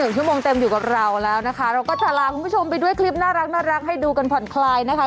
ชั่วโมงเต็มอยู่กับเราแล้วนะคะเราก็จะลาคุณผู้ชมไปด้วยคลิปน่ารักให้ดูกันผ่อนคลายนะคะ